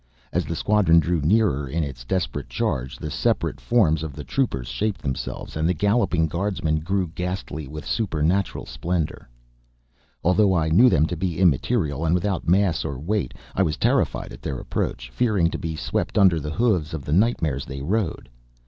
As the squadron drew nearer in its desperate charge, the separate forms of the troopers shaped themselves, and the galloping guardsmen grew ghastly with supernatural splendor. Although I knew them to be immaterial and without mass or weight, I was terrified at their approach, fearing to be swept under the hoofs of the nightmares they rode.